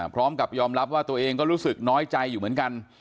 พร้อมกับยอมรับว่าตัวเองก็รู้สึกน้อยใจอยู่เหมือนกัน